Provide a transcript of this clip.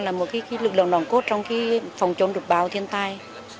là một lực lượng đòn cốt trong phòng chống lụt bào thiên tai